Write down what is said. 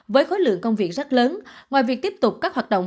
với khối lượng công việc rất lớn ngoài việc tiếp tục các hoạt động